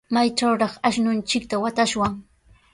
¿Maytrawraq ashnunchikta watashwan?